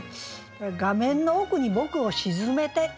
「画面の奥に僕を沈めて」。